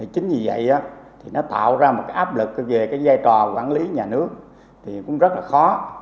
chính vì vậy thì nó tạo ra một cái áp lực về cái giai trò quản lý nhà nước thì cũng rất là khó